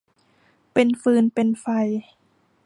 เป็นฟืนเป็นไฟ